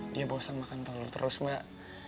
dia bosan makan telur terus mbak